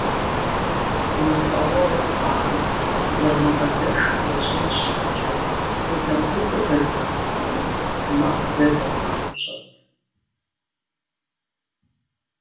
Мэкъуауэгъуэ хъуамэ, зэрымыгъэзэшу лэжьэн щхьэкӀэ унагъуитӀу зэгухьэрти, мэкъу зэдыпаупщӀырт.